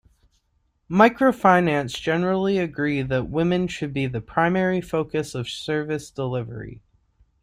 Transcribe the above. Microfinance generally agree that women should be the primary focus of service delivery.